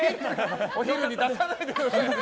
お昼に出さないでくださいね。